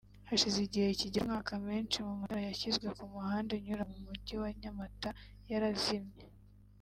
Hashize igihe kigera ku mwaka menshi mu matara yashyizwe ku muhanda unyura mu mujyi wa Nyamata yarazimye